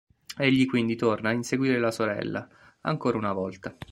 Egli quindi torna a inseguire la sorella, ancora una volta.